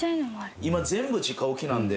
今、全部直置きなんで。